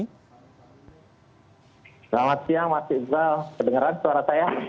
selamat siang mas iza kedengaran suara saya